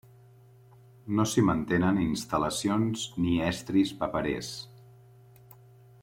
No s'hi mantenen instal·lacions ni estris paperers.